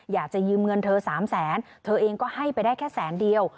อยากจะยืมเงินเธอ๓แสนเธอเองก็ให้ไปได้แค่แสนเดียว